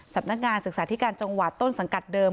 สำนักงานศึกษาธิการจังหวัดต้นสังกัดเดิม